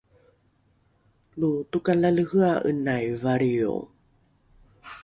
lo tokalalehea’enai valrio